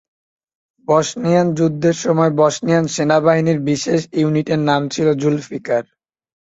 Bosnian যুদ্ধের সময়, Bosnian সেনাবাহিনীর বিশেষ ইউনিটের নাম ছিল "জুলফিকার"।